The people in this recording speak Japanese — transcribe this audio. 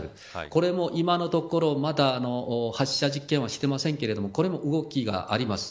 これも今のところまだ発射実験はしていませんけれどもこれも動きがあります。